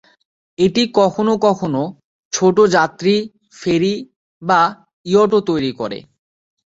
এটি কখনও কখনও ছোট যাত্রী ফেরি বা ইয়টও তৈরি করে।